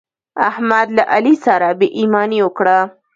احمد له علي سره بې ايماني وکړه.